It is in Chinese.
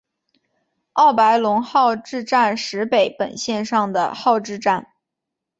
奥白泷号志站石北本线上的号志站。